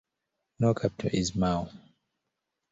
The capital is Mao.